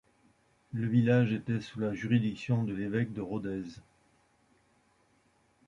Le village était sous la juridiction de l'évêque de Rodez.